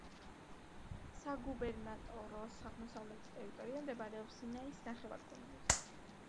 საგუბერნატოროს აღმოსავლეთი ტერიტორია მდებარეობს სინაის ნახევარკუნძულზე.